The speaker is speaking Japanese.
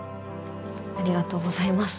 ありがとうございます。